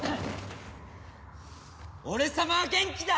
俺様は元気だ！